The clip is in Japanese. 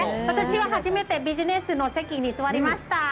私は初めてビジネスの席に座りました。